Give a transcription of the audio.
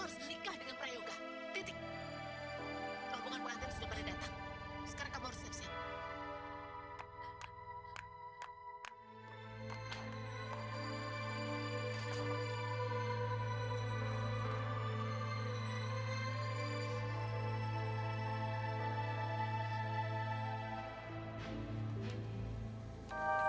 aku akan menikah dengan prayuga